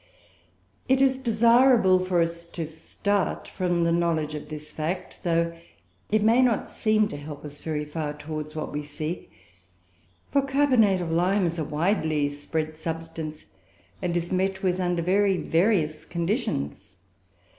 It is desirable for us to start from the knowledge of this fact, though it may not seem to help us very far towards what we seek. For carbonate of lime is a widely spread substance, and is met with under very various conditions.